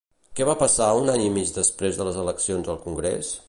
Què va passar un any i mig després de les eleccions al Congrés?